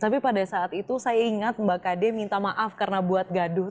tapi pada saat itu saya ingat mbak kd minta maaf karena buat gaduh